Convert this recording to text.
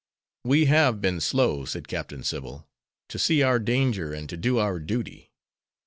"We have been slow," said Captain Sybil, "to see our danger and to do our duty.